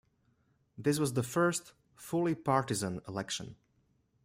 This was the first fully partisan election.